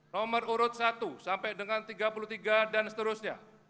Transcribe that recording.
nomor urut satu sampai dengan tiga puluh tiga dan seterusnya